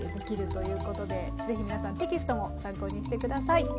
ぜひ皆さんテキストも参考にして下さい。